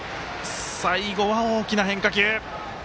最後は大きな変化球。